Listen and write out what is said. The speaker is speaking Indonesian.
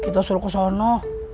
kita suruh kesana